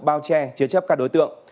bao che chế chấp các đối tượng